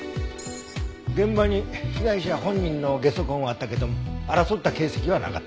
現場に被害者本人のゲソ痕はあったけど争った形跡はなかった。